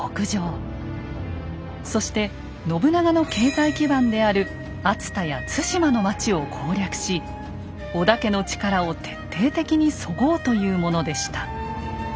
そして信長の経済基盤である熱田や津島の町を攻略し織田家の力を徹底的にそごうというものでした。